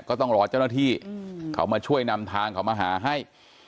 ก็ต้องรอเจ้าหน้าที่เขามาช่วยนำทางเขามาหาให้